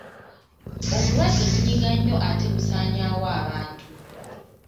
Obulwadde bunyiga nnyo ate busaanyaawo abantu.